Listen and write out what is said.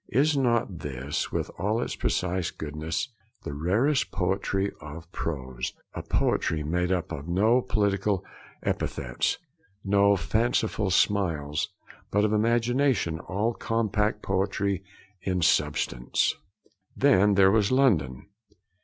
Is not this, with all its precise good sense, the rarest poetry of prose, a poetry made up of no poetical epithets, no fanciful similes, but 'of imagination all compact,' poetry in substance? Then there was London.